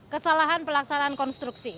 kesalahan pelaksanaan konstruksi